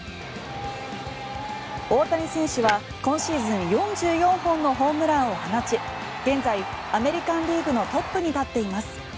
大谷選手は今シーズン４４本のホームランを放ち現在アメリカン・リーグのトップになっています。